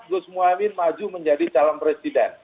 hanya semua maju menjadi calon presiden